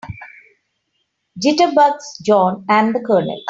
Jitterbugs JOHN and the COLONEL.